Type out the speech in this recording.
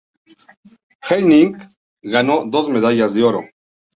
Hennig ganó dos medallas de oro.